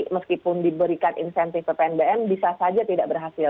meskipun diberikan insentif ppnbm bisa saja tidak berhasil